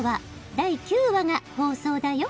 「第９話が放送だよ」